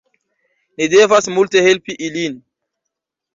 Ni devas multe helpi ilin